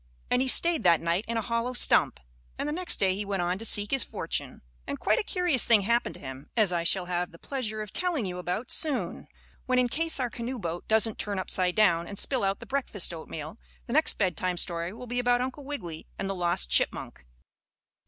And he stayed that night in a hollow stump, and the next day he went on to seek his fortune. And quite a curious thing happened to him, as I shall have the pleasure of telling you about soon, when in case our canoe boat doesn't turn upside down and spill out the breakfast oatmeal, the next bedtime story will be about Uncle Wiggily and the lost chipmunk.